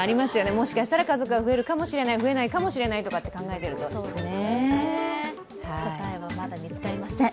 もしかしたら家族が増えるかもしれない増えないかもしれないとか考えてるとね。